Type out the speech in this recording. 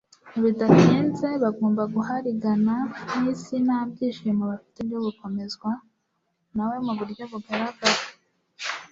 Bidatinze bagombaga guharigana n'isi nta byishimo bafite byo gukomezwa na we mu buryo bugaragara,